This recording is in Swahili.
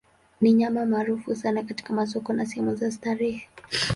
Ni nyama maarufu sana kwenye masoko na sehemu za starehe.